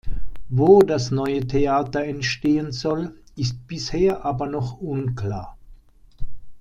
Wo das neue Theater entstehen soll, ist bisher aber noch unklar.